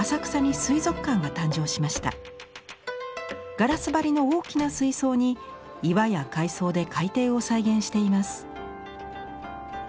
ガラス張りの大きな水槽に岩や海藻で海底を再現しています。